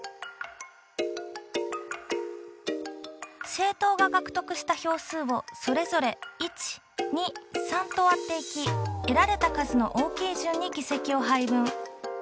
政党が獲得した票数をそれぞれ１２３と割っていき得られた数の大きい順に議席を配分。